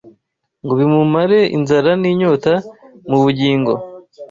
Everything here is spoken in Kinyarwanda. ngo bimumare inzara n’inyota mu bugingo.